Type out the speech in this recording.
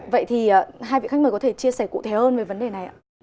vậy thì hai vị khách mời có thể chia sẻ cụ thể hơn về vấn đề này ạ